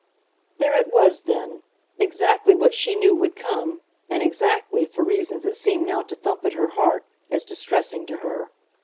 There it was then exactly what she knew would come, and exactly, for reasons that seemed now to thump at her heart, as distressing to her.